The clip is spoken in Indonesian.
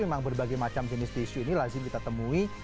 memang berbagai macam jenis tisu ini lazim kita temui